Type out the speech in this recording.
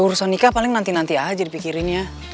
urusan nikah paling nanti nanti aja dipikirin ya